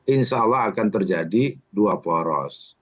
insya allah akan terjadi dua poros